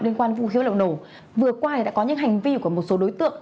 liên quan vũ khí vật liệu nổ vừa qua đã có những hành vi của một số đối tượng